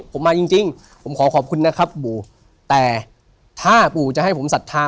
ผมมาจริงผมขอขอบคุณนะครับปุ๋แต่ถ้าปุ๋จะให้ผมสัทธา